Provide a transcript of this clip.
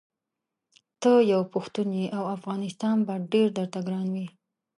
ته یو پښتون یې او افغانستان به ډېر درته ګران وي.